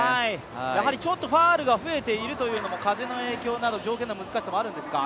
やはりちょっとファウルが増えているというのも、風の影響など、条件の難しさもあるんですか？